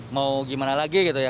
mau gimana lagi gitu ya